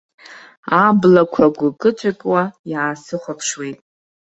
Аблақәа гәкы-ҵәыкуа иаасыхәаԥшуеит.